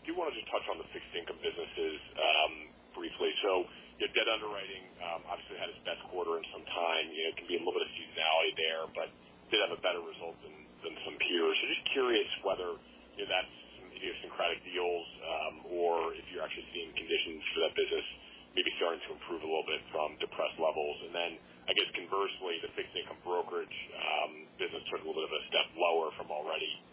do want to just touch on the fixed income businesses briefly. So, your debt underwriting obviously had its best quarter in some time. You know, it can be a little bit of seasonality there, but did have a better result than some peers. So just curious whether, you know, that's some idiosyncratic deals or if you're actually seeing conditions for that business maybe starting to improve a little bit from depressed levels. And then, I guess conversely, the fixed income brokerage business took a little bit of a step lower from already a pretty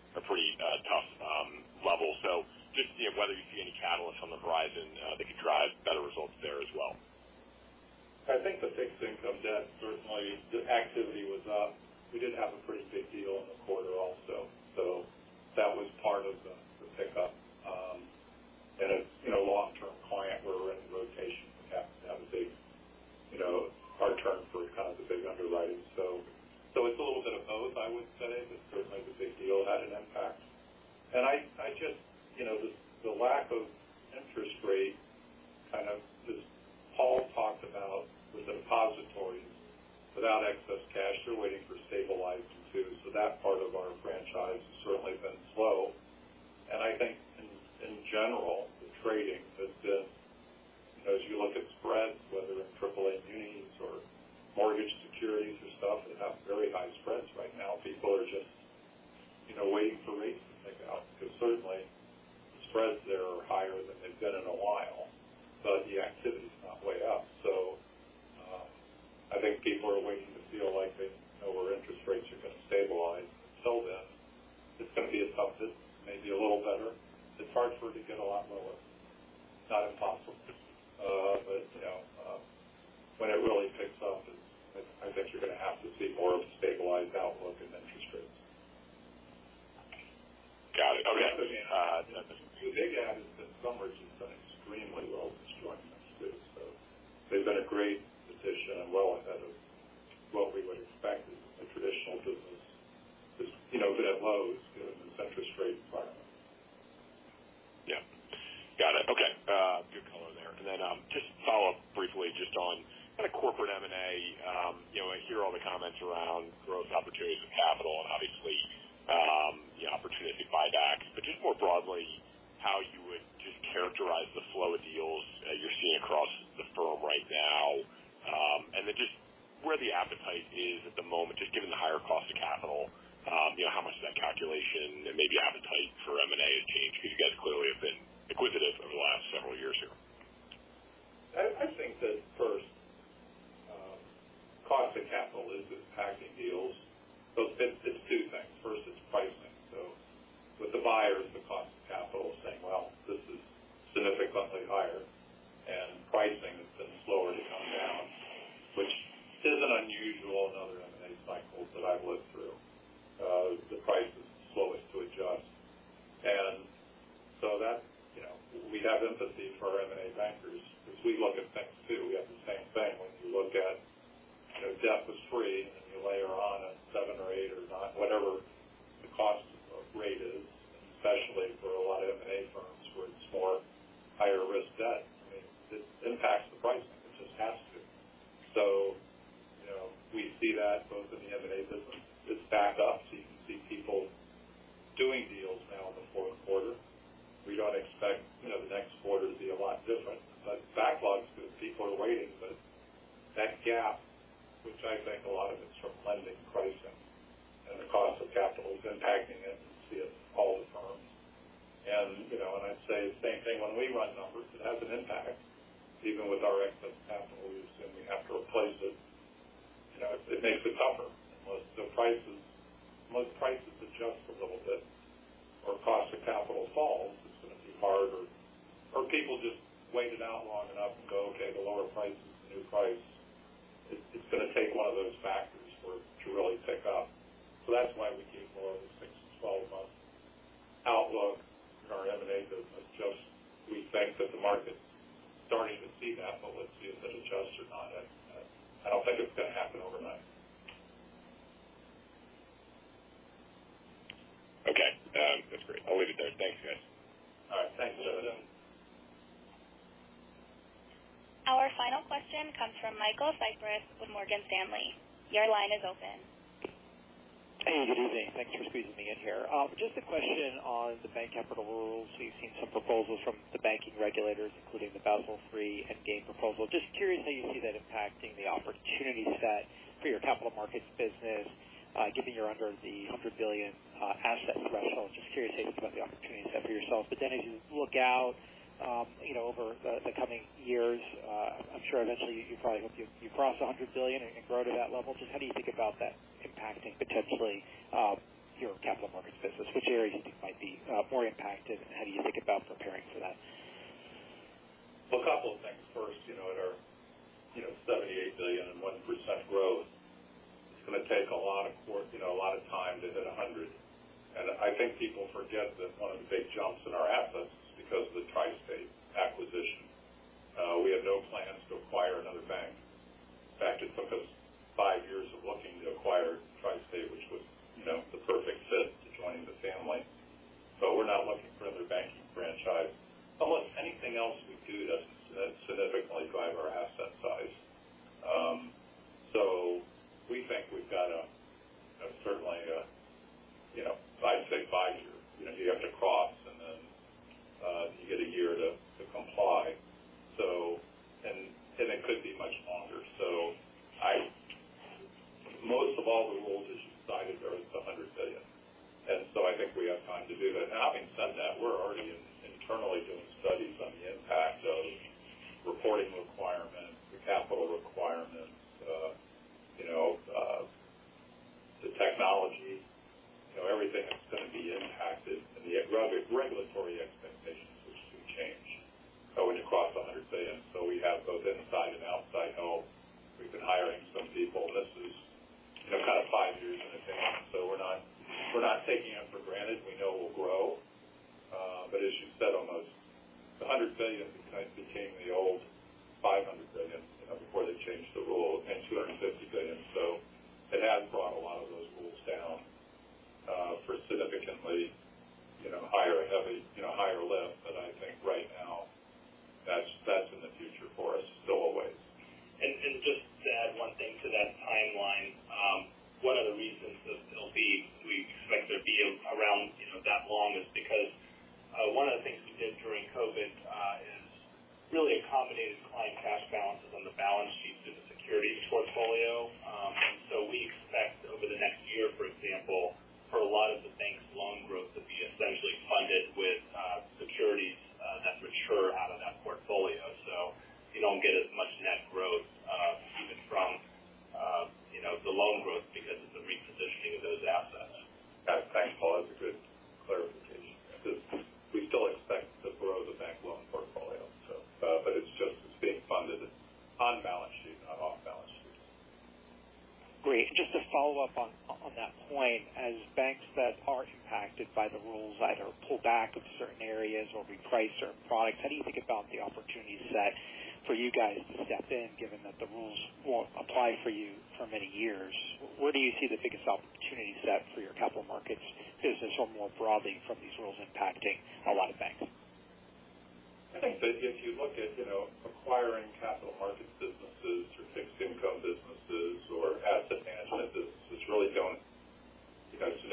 market's starting to see that, but we'll see if it adjusts or not. I don't think it's going to happen overnight. Okay. That's great. I'll leave it there. Thanks, guys. All right. Thanks, Devin. Our final question comes from Michael Cyprys with Morgan Stanley. Your line is open. Hey, good evening. Thanks for squeezing me in here. Just a question on the bank capital rules. So you've seen some proposals from the banking regulators, including the Basel III Endgame proposal. Just curious how you see that impacting the opportunity set for your capital markets business? Given you're under the $100 billion asset threshold, just curious how you think about the opportunity set for yourself. But then as you look out, you know, over the coming years, I'm sure eventually you probably hope you cross $100 billion and grow to that level. Just how do you think about that impacting potentially your capital markets business? Which areas do you think might be more impacted, and how do you think about preparing for that? Well, a couple of things. First, you know, at our, you know, $78 billion and 1% growth, it's gonna take a lot of course, you know, a lot of time to hit a hundred. And I think people forget that one of the big jumps in our assets is because of the TriState acquisition. We had no plans to acquire another bank. In fact, it took us five years of looking to acquire TriState, which was, you know, the perfect fit to joining the family. So we're not looking for another banking franchise. Almost anything else we do, does significantly drive our asset size. So we think we've got a, a certainly, a, you know, I'd say five years. You know, you have to cross, and then, you get a year to, to comply. So... And it could be much longer. So I most of all the rules, as you cited, there is a $100 billion, and so I think we have time to do that. Now, having said that, we're already internally doing studies on the impact of reporting requirements, the capital requirements,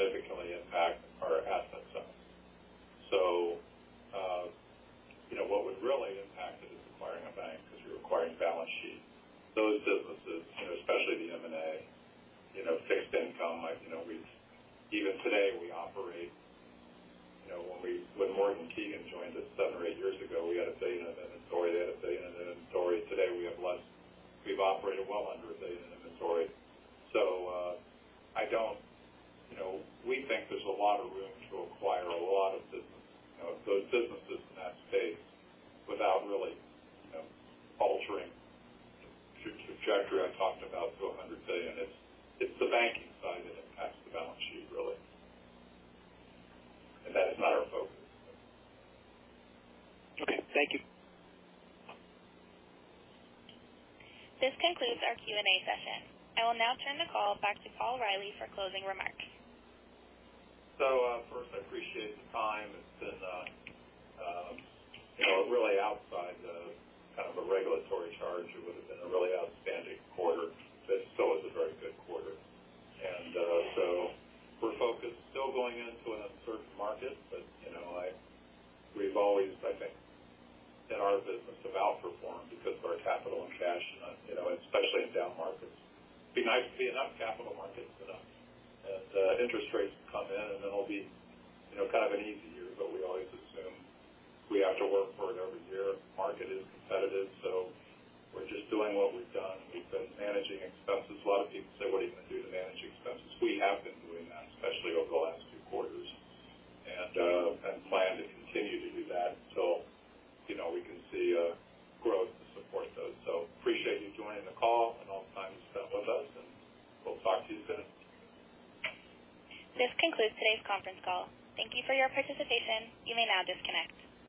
or asset management businesses, it's really going to significantly impact our asset size. So, you know, what would really impact it is acquiring a bank because you're acquiring balance sheet. Those businesses, you know, especially the M&A, you know, fixed income, like, you know, we've even today, we operate, you know, when we, when Morgan Keegan joined us seven or eight years ago, we had a day in an inventory. They had a day in an inventory. Today, we have less. We've operated well under a day in inventory. So, I don't... You know, we think there's a lot of room to acquire a lot of business, you know, those businesses in that space without really, you know, altering the trajectory I talked about to $100 billion. It's the banking side that impacts the balance sheet, really. That is not our focus. Okay, thank you. This concludes our Q&A session. I will now turn the call back to Paul Reilly for closing remarks. So, first, I appreciate the time. It's been, you know, really outside the kind of a regulatory charge, it would've been a really outstanding quarter. This still is a very good quarter. So we're focused still going into an uncertain market. But, you know, we've always, I think, in our business, about perform because of our capital and cash, you know, especially in down markets. Be nice to see enough capital markets go up, and interest rates come in, and then it'll be, you know, kind of an easy year. But we always assume we have to work for it every year. Market is competitive, so we're just doing what we've done. We've been managing expenses. A lot of people say, "What are you gonna do to manage expenses?" We have been doing that, especially over the last two quarters, and and plan to continue to do that until, you know, we can see, growth to support those. So appreciate you joining the call and all the time you spent with us, and we'll talk to you soon. This concludes today's conference call. Thank you for your participation. You may now disconnect.